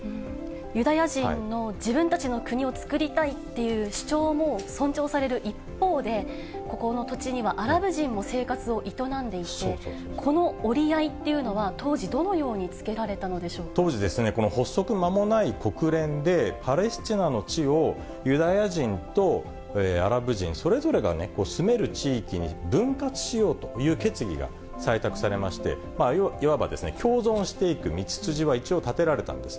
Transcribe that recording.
ユダヤ人の自分たちの国をつくりたいっていう主張が尊重される一方で、ここの土地にはアラブ人も生活を営んでいて、この折り合いっていうのは、当時、どのよ当時ですね、この発足間もない国連で、パレスチナの地をユダヤ人とアラブ人それぞれが住める地域に分割しようという決議が採択されまして、いわば共存していく道筋は一応立てられたんです。